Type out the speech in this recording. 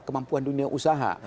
kemampuan dunia usaha